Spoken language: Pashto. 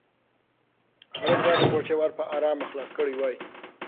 هلک باید د کوټې ور په ارامه خلاص کړی وای.